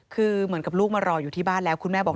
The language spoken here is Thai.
คือเหมือนกับลูกมารออยู่ที่บ้านแล้วคุณแม่บอก